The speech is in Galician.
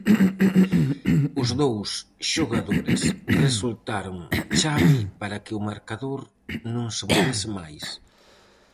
Os dous xogadores resultaron chave para que o marcador non se movese máis.